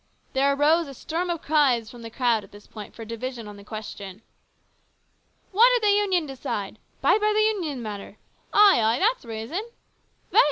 There arose a storm of cries from the crowd at this point for a division on the question. " What did the Union decide ? Bide by the Union in the matter ! Ay, ay, that's reason ! Vote !